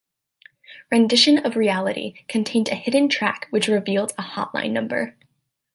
"Rendition of Reality" contained a hidden track which revealed a hotline number.